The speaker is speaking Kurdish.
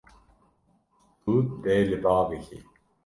Tu dê li ba bikî.